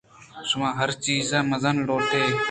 شما ہر چیز مُزّ ءَ لوٹ ئے